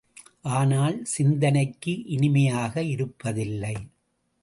ஆனால் சிந்தனைக்கு இனிமையாக இருப்பதில்லை.